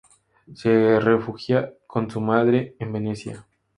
Se refugia con su madre en Venecia.